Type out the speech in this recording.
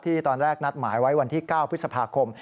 ตอนแรกนัดหมายไว้วันที่๙พฤษภาคม